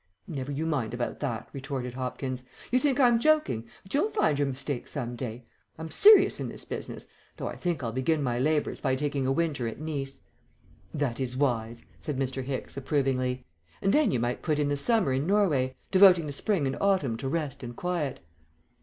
"Never you mind about that," retorted Hopkins; "you think I'm joking, but you'll find your mistake some day. I'm serious in this business, though I think I'll begin my labours by taking a winter at Nice." "That is wise," said Mr. Hicks, approvingly; "and then you might put in the summer in Norway, devoting the spring and autumn to rest and quiet."